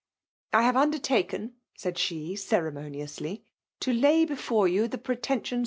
''I have undettaken,"^ said she, ceremo miofUsly, "* to lay before you the pretensions VOL.